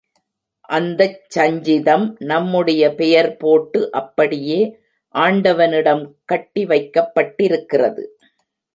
அந்தச் சஞ்சிதம் நம்முடைய பெயர் போட்டு அப்படியே ஆண்டவனிடம் கட்டி வைக்கப்பட்டிருக்கிறது.